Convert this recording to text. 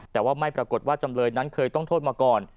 แต่ว่าไม่ปรากฏว่าจำเลยนั้นเคยต้องโทษมาก่อน